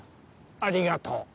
ありがとう。